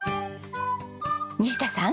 西田さん。